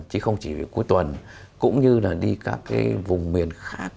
chứ không chỉ về cuối tuần cũng như là đi các cái vùng miền khác